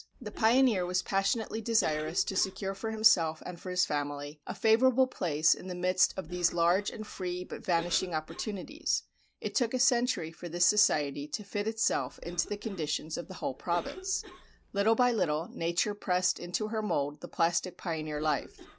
The pioneer was passionately desirous to secure for himself and for his family a favorable place in the midst of these large and free but vanishing opportunities. It took a century for this society to fit itself into the conditions of the whole province. Little by little, nature pressed into her mold the plastic pioneer life.